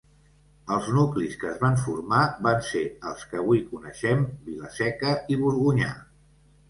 Els nuclis que es van formar van ser els que avui coneixem, Vila-seca i Borgonyà.